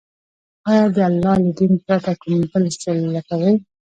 آيا د الله له دين پرته كوم بل څه لټوي،